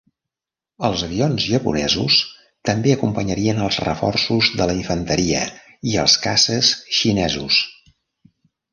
Els avions japonesos també acompanyarien els reforços de la infanteria i els caces xinesos.